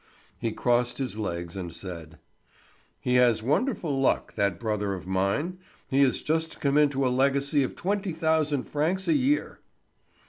He crossed his legs and said: "He has wonderful luck, that brother of mine. He had just come into a legacy of twenty thousand francs a year."